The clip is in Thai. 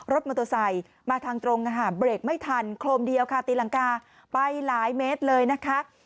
รถมอเตอร์ไซค์มาทางตรงเบรกไม่ทันโครมเดียวค่ะตีรังกาไปหลายเมตรเลยนะคะ